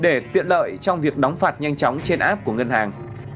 để tiện lợi trong việc đóng phạt nhanh chóng trên app của ngân hàng